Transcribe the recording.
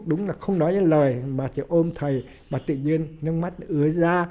đúng là không nói lời mà chỉ ôm thầy mà tự nhiên nước mắt ứa ra